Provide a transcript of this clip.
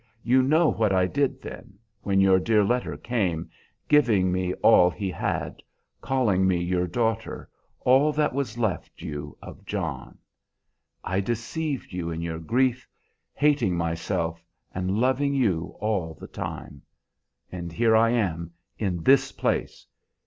You know what I did then, when your dear letter came, giving me all he had, calling me your daughter, all that was left you of John! I deceived you in your grief, hating myself and loving you all the time. And here I am, in this place!